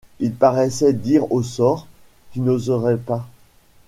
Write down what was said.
Il paraissait dire au sort : tu n’oserais pas.